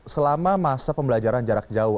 selama masa pembelajaran jarak jauh